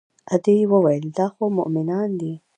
ادې وويل دا خو مومنان دي.